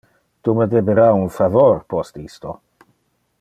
Tu me debera un favor post isto.